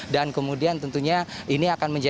dan kemudian tentunya ini akan berjalan